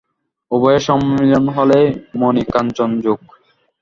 উভয়ের সম্মিলন হলেই মণিকাঞ্চনযোগ।